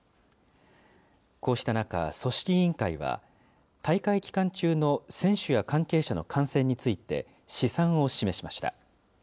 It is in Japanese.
こうした中、組織委員会は、大会期間中の選手や関係者の感染について、試算を示しました。